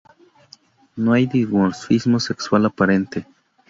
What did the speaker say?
No hay dimorfismo sexual aparente.